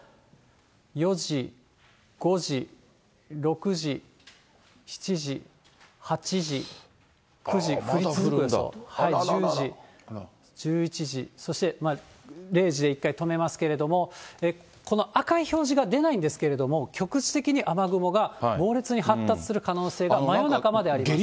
４時、５時、６時、７時、８時、９時、１０時、１１時、そして０時で一回止めますけれども、この赤い表示が出ないんですけれども、局地的に雨雲が猛烈に発達する可能性が、真夜中まであります。